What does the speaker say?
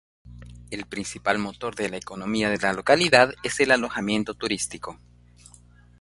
El principal motor de la economía de la localidad es el alojamiento turístico.